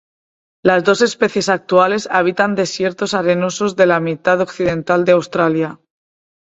Las dos especies actuales habitan desiertos arenosos de la mitad occidental de Australia.